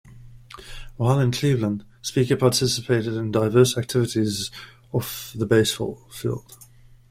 While in Cleveland, Speaker participated in diverse activities off the baseball field.